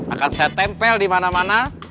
akan saya tempel di mana mana